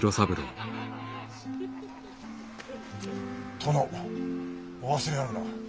殿お忘れあるな。